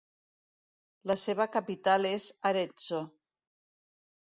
La seva capital és Arezzo.